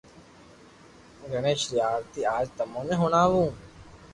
گڻآݾ ري آرتي آج تموني ھڻاو